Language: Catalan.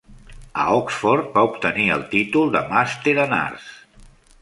A Oxford va obtenir el títol de Màster en Arts.